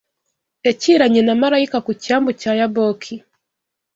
yakiranye na marayika ku cyambu cya Yaboki